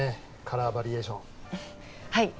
カラーバリエーションはい